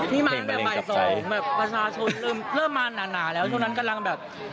ที่มาตั้งแต่บ่ายสองแบบประชาชนเริ่มมาหนาแล้วช่วงนั้นกำลังแบบ